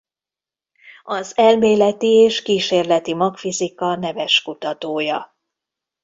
Az elméleti és kísérleti magfizika neves kutatója.